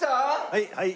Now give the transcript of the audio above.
はいはい。